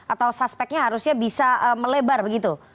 atau suspeknya harusnya bisa melebar begitu